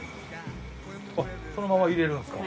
そのまま入れるんですか。